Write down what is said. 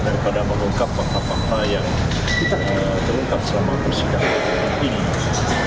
daripada mengungkap fakta fakta yang terungkap selama persidangan ini